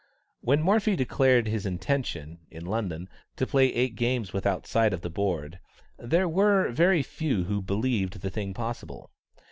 When Morphy declared his intention, in London, to play eight games without sight of the board, there were very few who believed the thing possible.